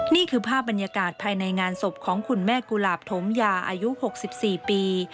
นี่คือภาพบรรยากาศภายในงานศพของคุณแม่กุหลาบถมยาอายุ๖๔ปี